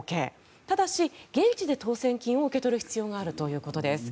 ただし、現地で当選金を受け取る必要があるということです。